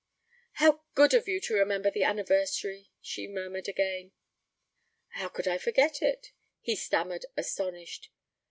'How good of you to remember the anniversary,' she murmured again. 'How could I forget it?' he stammered, astonished.